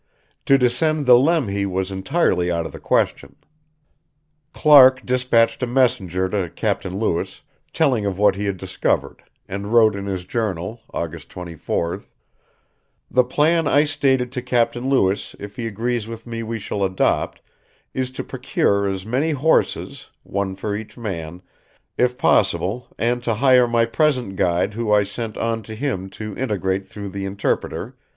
To descend the Lemhi was entirely out of the question. Clark dispatched a messenger to Captain Lewis, telling of what he had discovered, and wrote in his journal (August 24th): "The plan I stated to Captain Lewis if he agrees with me we shall adopt is to precure as many horses (one for each man) if possable and to hire my present guide who I sent on to him to interegate thro' the Intptr.